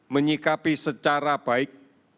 menyikapi secara baik